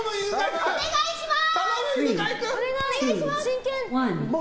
お願いします！